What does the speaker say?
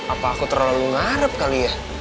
apa aku terlalu ngarep kali ya